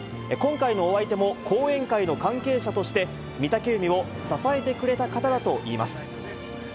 今回のお相手も後援会の関係者として、御嶽海を支えてくれた方だといいます。